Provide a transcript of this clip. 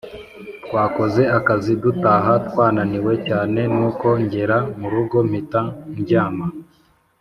twakoze akazi dutaha twananiwe cyane nuko ngera murugo mpita ndyama